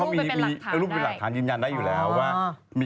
เอารูปเป็นหลักฐานได้